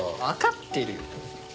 わかってるよ。